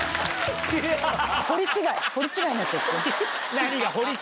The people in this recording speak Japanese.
「堀」違いになっちゃって。